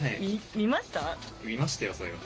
見ましたよ、それは。